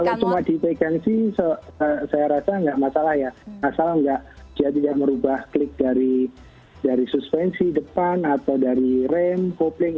ya kalau cuma dipegang sih saya rasa nggak masalah ya asal nggak jadinya merubah klik dari dari suspensi depan atau dari rem popling itu